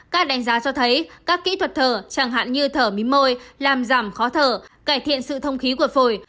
các đánh giá cho thấy các kỹ thuật thở chẳng hạn như thở mí môi làm giảm khó thở cải thiện sự thông khí của phổi